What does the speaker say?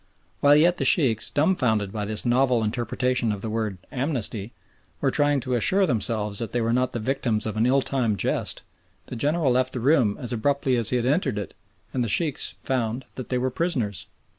While yet the Sheikhs, dumbfoundered by this novel interpretation of the word "amnesty," were trying to assure themselves that they were not the victims of an ill timed jest, the General left the room as abruptly as he had entered it, and the Sheikhs found that they were prisoners.